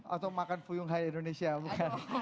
atau makan puyung hai indonesia bukan